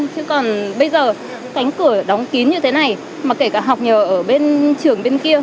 chứ còn bây giờ cánh cửa đóng kín như thế này mà kể cả học ở trường bên kia